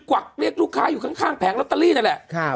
วักเรียกลูกค้าอยู่ข้างแผงลอตเตอรี่นั่นแหละ